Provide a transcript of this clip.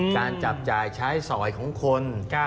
จับจ่ายใช้สอยของคน